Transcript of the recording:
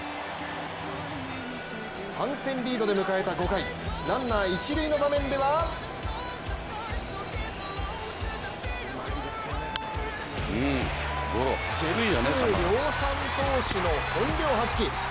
３点リードで迎えた５回、ランナー一塁の場面ではゲッツー量産投手の本領発揮。